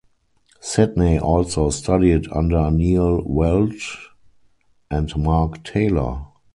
Sidney also studied under Neil Welch and Mark Taylor.